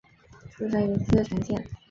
出身于茨城县。